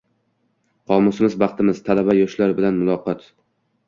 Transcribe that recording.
Qomusimiz baxtimiz: talaba yoshlar bilan muloqotng